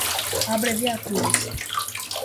abreviaturas